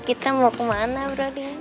kita mau kemana broding